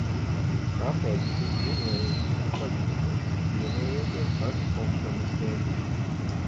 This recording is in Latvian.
Tāpēc šis ziņojums tika sagatavots, vienojoties par kompromisiem.